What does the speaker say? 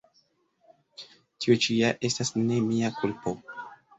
Tio ĉi ja estas ne mia kulpo!